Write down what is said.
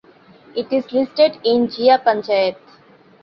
It is listed in Jia panchayat.